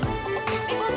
meringan bastante itu itu